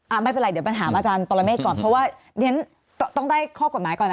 อ่าไม่เป็นไรเดี๋ยวปัญหามาอาจารย์ปรเมฆก่อนเพราะว่าฉะนั้นต้องต้องได้ข้อกฎหมายก่อนนะคะ